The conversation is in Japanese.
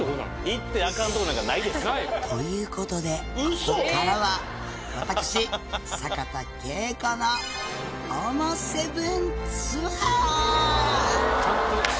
行ってあかんとこなんかないです。という事でここからは私坂田佳子のＯＭＯ７ツアー。